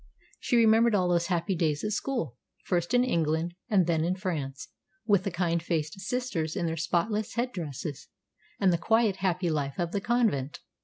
She remembered all those happy days at school, first in England, and then in France, with the kind faced Sisters in their spotless head dresses, and the quiet, happy life of the convent.